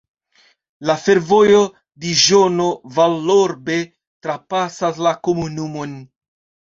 La fervojo Diĵono-Vallorbe trapasas la komunumon.